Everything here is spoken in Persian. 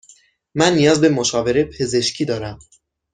من نیاز به مشاوره پزشکی دارم.